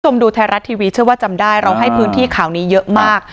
ดูไทยรัฐทีวีเชื่อว่าจำได้เราให้พื้นที่ข่าวนี้เยอะมาก